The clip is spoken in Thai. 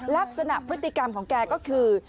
ลักษณะพฤติกรรมของแกก็คือ